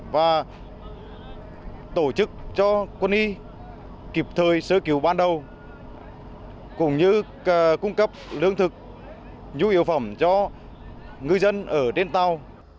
và tổ chức cho quân y kịp thời sơ cứu ban đầu cũng như cung cấp lương thực nhu yếu phẩm cho ngư dân ở trên tàu